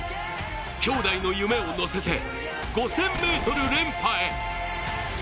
兄弟の夢を乗せて５０００ｍ連覇へ。